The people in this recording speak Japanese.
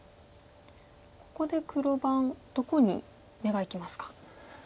ここで黒番どこに目がいきますか。